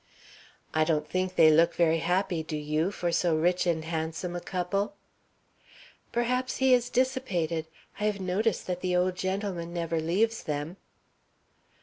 "I don't think they look very happy, do you, for so rich and handsome a couple?" "Perhaps he is dissipated. I have noticed that the old gentleman never leaves them."